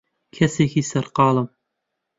کەسێکی سەرقاڵم.